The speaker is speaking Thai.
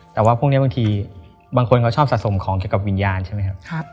แต่ว่าพวกนี้บางทีบางคนเขาชอบสะสมของเกี่ยวกับวิญญาณใช่ไหมครับ